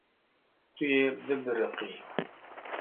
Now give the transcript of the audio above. Tu yê bibiriqî.